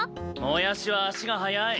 もやしは足が早い。